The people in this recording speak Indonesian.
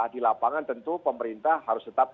di lapangan tentu pemerintah harus tetap